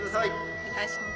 お願いします。